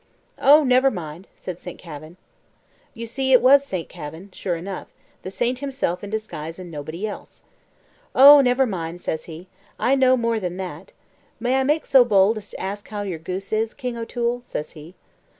"Oh, never mind," says St. Kavin. You see it was Saint Kavin, sure enough the saint himself in disguise, and nobody else. "Oh, never mind," says he, "I know more than that. May I make bold to ask how is your goose, King O'Toole?" says he.